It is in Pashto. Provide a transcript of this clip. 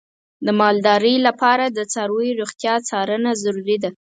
د مالدارۍ لپاره د څارویو روغتیا څارنه ضروري ده.